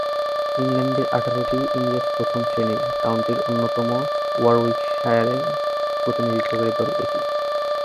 ইংল্যান্ডের আঠারোটি ইংরেজ প্রথম-শ্রেণীর কাউন্টির অন্যতম ওয়ারউইকশায়ারের প্রতিনিধিত্বকারী দল এটি।